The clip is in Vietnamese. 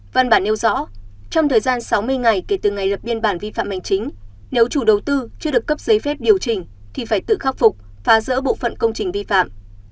văn bản nêu rõ trong thời gian sáu mươi ngày kể từ ngày lập biên bản vi phạm hành chính nếu chủ đầu tư chưa được cấp giấy phép điều chỉnh thì phải tự khắc phục phá rỡ bộ phận công trình vi phạm